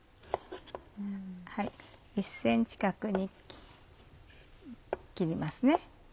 １ｃｍ角に切ります。